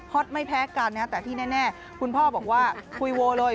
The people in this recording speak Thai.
ตไม่แพ้กันนะฮะแต่ที่แน่คุณพ่อบอกว่าคุยโวเลย